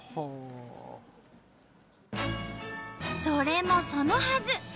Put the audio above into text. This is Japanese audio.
それもそのはず！